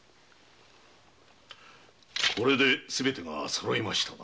これですべてがそろいましたな。